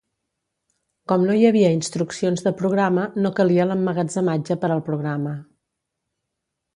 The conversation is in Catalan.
Com no hi havia instruccions de programa, no calia l'emmagatzematge per al programa.